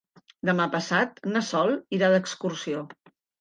Demà passat na Sol irà d'excursió.